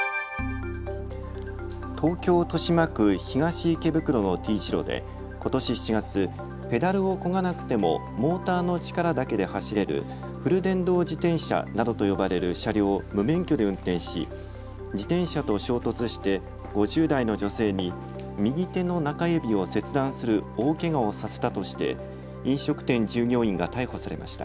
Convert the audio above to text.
東京豊島区東池袋のＴ字路でことし７月、ペダルをこがなくてもモーターの力だけで走れるフル電動自転車などと呼ばれる車両を無免許で運転し自転車と衝突して５０代の女性に右手の中指を切断する大けがをさせたとして飲食店従業員が逮捕されました。